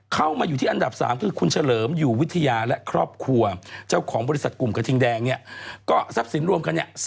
เข้ามาอยู่ที่อันดับ๓คือคุณเฉลิม